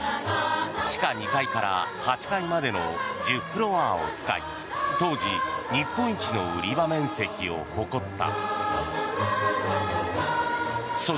地下２階から８階までの１０フロアを使い当時、日本一の売り場面積を誇った。